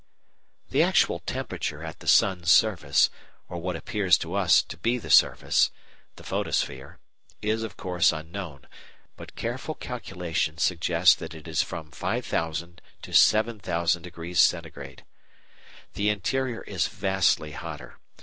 The actual temperature at the sun's surface, or what appears to us to be the surface the photosphere is, of course, unknown, but careful calculation suggests that it is from 5,000° C. to 7,000° C. The interior is vastly hotter.